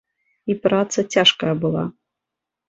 І праца цяжкая была.